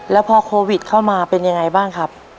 แล้วพอโควิดเข้ามาเป็นยังไงบ้างครับ